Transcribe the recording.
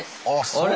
あれ？